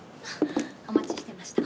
お待ちしてました。